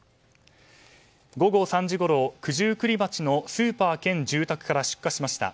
午後３時ごろ九十九里町のスーパー兼住宅から出火しました。